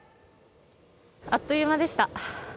あっという間でした。